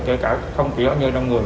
không chỉ ở nơi đông người